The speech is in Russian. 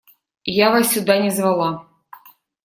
Я вас сюда не звала.